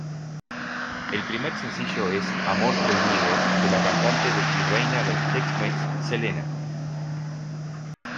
El primer sencillo es "Amor Prohibido" de la cantante y reina del Tex-Mex Selena.